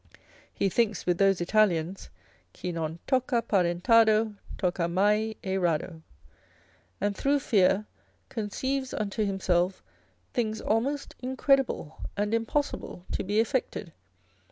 He thinks with those Italians, Chi non tocca parentado, Tocca mai e rado. And through fear conceives unto himself things almost incredible and impossible to be effected.